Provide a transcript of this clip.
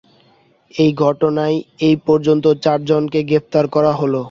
এই ঘটনায় এ পর্যন্ত চারজনকে গ্রেপ্তার করা হলো।